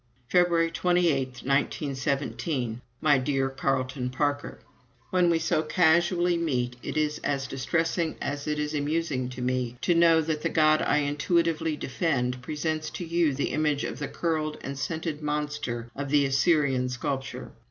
February 28, 1917 MY DEAR CARLETON PARKER, When we so casually meet it is as distressing as it is amusing to me, to know that the God I intuitively defend presents to you the image of the curled and scented monster of the Assyrian sculpture.